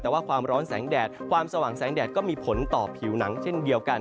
แต่ว่าความร้อนแสงแดดความสว่างแสงแดดก็มีผลต่อผิวหนังเช่นเดียวกัน